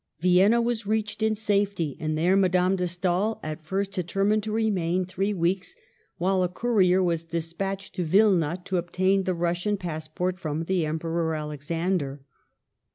Vienna was reached in safety, and there Ma dame de Stael at first determined to remain three weeks, while a courier was despatched to Wilna to obtain the Russian passport from the Emperor Alexander.